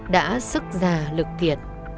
đã sức già lực lượng